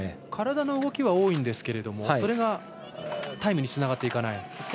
体の動きは多いんですけれどもそれがタイムにつながっていかない。